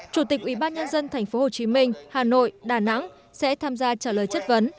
chủ tịch ủy ban nhân dân tp hcm hà nội đà nẵng sẽ tham gia trả lời chất vấn